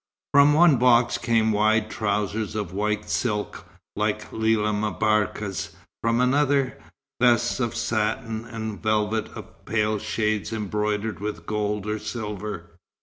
From one box came wide trousers of white silk, like Lella M'Barka's; from another, vests of satin and velvet of pale shades embroidered with gold or silver.